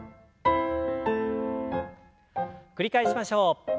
繰り返しましょう。